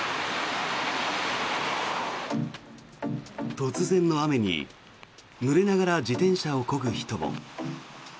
突然の雨にぬれながら自転車をこぐ人も。